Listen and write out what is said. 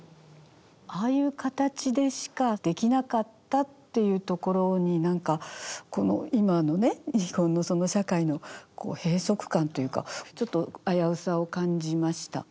ああいう形でしかできなかったっていうところに何かこの今のね日本の社会の閉塞感というかちょっと危うさを感じました。